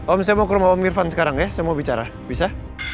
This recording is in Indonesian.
om saya mau ke rumah om irfan sekarang ya saya mau bicara bisa